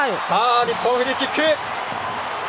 日本、フリーキック！